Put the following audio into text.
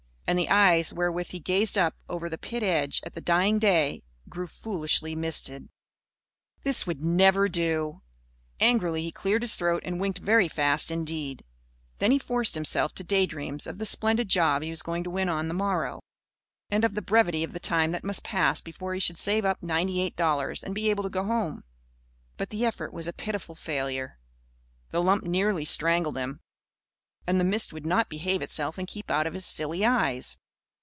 And the eyes wherewith he gazed up over the pit edge at the dying day, grew foolishly misted. This would never do! Angrily he cleared his throat and winked very fast indeed. Then he forced himself to day dreams of the splendid job he was going to win on the morrow and of the brevity of the time that must pass before he should save up ninety eight dollars and be able to go home. But the effort was a pitiful failure. The lump nearly strangled him. And the mist would not behave itself and keep out of his silly eyes.